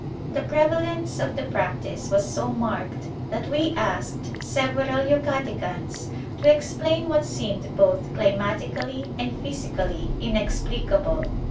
The prevalence of the practice was so marked that we asked several Yucatecans to explain what seemed both climatically and physically inexplicable.